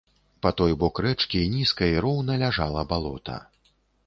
Па той бок рэчкі нізка і роўна ляжала балота.